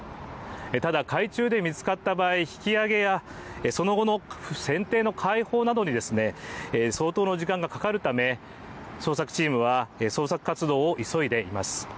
ただ、海中で見つかった場合、引き上げやその後の船艇の解放などに相当の時間がかかるため、捜索チームは捜索活動を急いでいます。